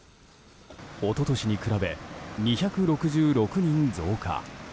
一昨年に比べ、２６６人増加。